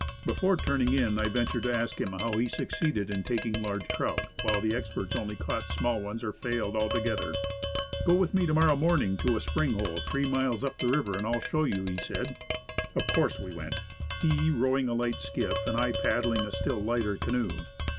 Before turning in I ventured to ask him how he succeeded in taking large trout, while the experts only caught small ones, or failed altogether. "Go with me to morrow morning to a spring hole three miles up the river, and I'll show you," he said. Of course, we went. He, rowing a light skiff, and "paddling a still lighter canoe.